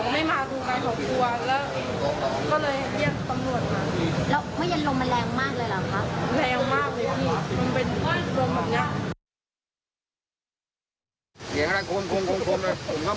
ไม่มีใครเชื่อเหมือนว่าเขาไม่มาดูมีใครเขากลัว